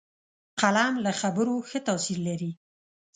قلم له خبرو ښه تاثیر لري